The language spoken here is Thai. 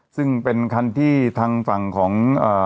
ซึ่งเป็นคันที่ทางฝั่งของ